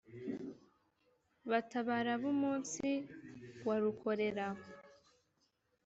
batabara b’umunsi wa rukorera